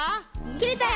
きれたよ。